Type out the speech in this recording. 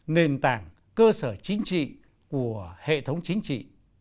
nền tảng cơ sở chính trị của hệ thống chính trị